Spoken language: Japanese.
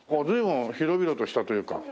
随分広々としたというか。